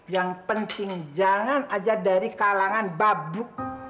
yang penting jangan aja dari kalangan babuk